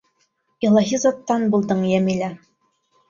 — Илаһи заттан булдың, Йәмилә.